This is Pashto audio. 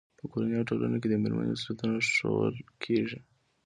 په کورنۍ او ټولنه کې د مېرمنې مسؤلیتونه ښوول کېږي.